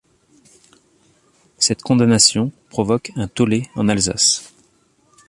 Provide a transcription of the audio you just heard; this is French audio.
Cette condamnation provoque un tollé en Alsace.